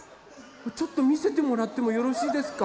ちょっとみせてもらってもよろしいですか？